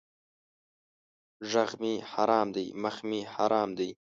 ږغ مې حرام دی مخ مې حرام دی!